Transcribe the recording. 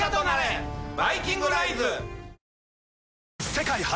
世界初！